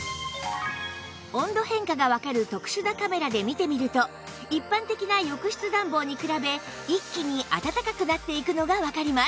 温度変化がわかる特殊なカメラで見てみると一般的な浴室暖房に比べ一気にあたたかくなっていくのがわかります